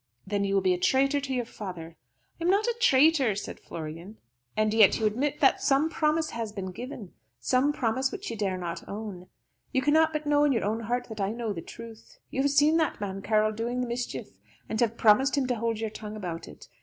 "Then you will be a traitor to your father." "I am not a traitor," said Florian. "And yet you admit that some promise has been given some promise which you dare not own. You cannot but know in your own heart that I know the truth. You have seen that man Carroll doing the mischief, and have promised him to hold your tongue about it.